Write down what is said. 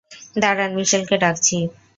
দাঁড়ান মিশেলকে ডাকছি।